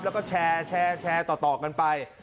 แล้วก็แชร์ต่อกันไป